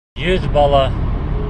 Иөҙ бала!